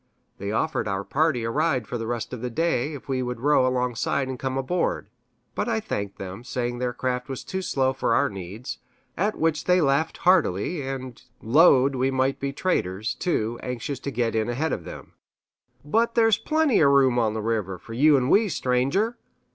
They offered our party a ride for the rest of the day, if we would row alongside and come aboard, but I thanked them, saying their craft was too slow for our needs; at which they laughed heartily, and "'lowed" we might be traders, too, anxious to get in ahead of them "but there's plenty o' room o' th' river, for yew an' we, stranger!